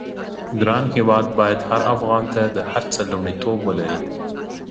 ګران هېواد بايد هر افغان ته د هر څه لومړيتوب ولري.